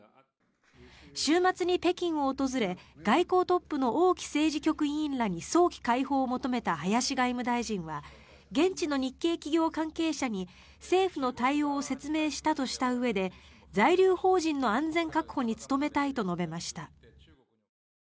週末に北京を訪れ外交トップの王毅政治局委員らに早期解放を求めた林外務大臣は現地の日系企業関係者に政府の対応を説明したとしたうえで在留邦人の安全確保に努めたいと述べました。